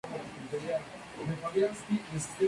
Entonces ya no lograba poner atención.